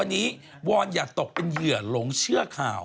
นั่นหรือ